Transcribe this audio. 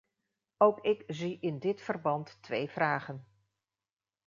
Ook ik zie in dit verband twee vragen.